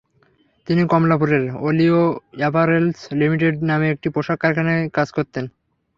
তিনি কমলাপুরের অলিও apparels limited নামে একটি পোশাক কারখানায় কাজ করতেন।